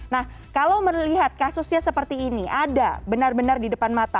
nah kalau melihat kasusnya seperti ini ada benar benar di depan mata